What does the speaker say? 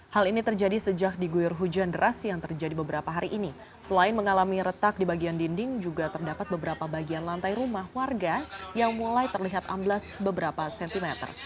hal ini terjadi sejak diguyur hujan deras yang terjadi beberapa hari ini selain mengalami retak di bagian dinding juga terdapat beberapa bagian lantai rumah warga yang mulai terlihat amblas beberapa cm